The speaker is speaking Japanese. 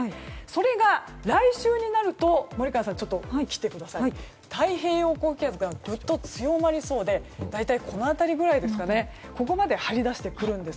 それが、来週になると太平洋高気圧がぐっと強まりそうで大体この辺りぐらいまで張り出してきます。